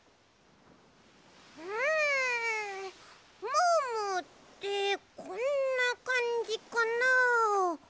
うんムームーってこんなかんじかな？